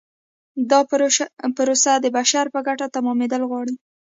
دا پروسه د بشر په ګټه تمامیدل غواړي.